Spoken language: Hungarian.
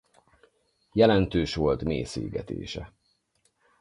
Jelentős volt mészégetése.